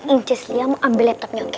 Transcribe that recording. inces dia mau ambil laptopnya oke